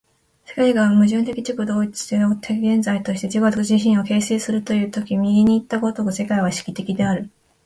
世界が矛盾的自己同一的現在として自己自身を形成するという時右にいった如く世界は意識的である。